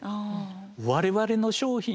我々の商品